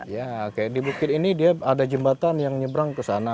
ya kayak di bukit ini dia ada jembatan yang nyebrang ke sana